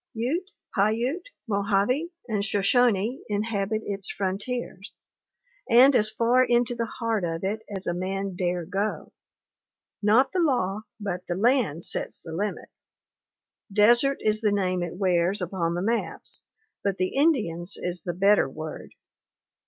"Ute, Paiute, Mojave, and Shoshone inhabit its frontiers, and as far into the heart of it as a man dare go. Not the law, but the land sets the limit. Desert is the name it wears upon the maps, but the Indian's is the better word.